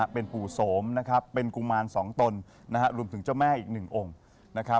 เป็นปู่โสมเป็นกุมารสองตนรวมถึงเจ้าแม่อีกหนึ่งองค์